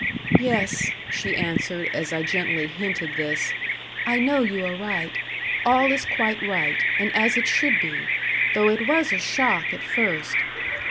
"Yes," she answered, as I gently hinted this; "I know you are right; all is quite right, and as it should be, though it was a shock at first.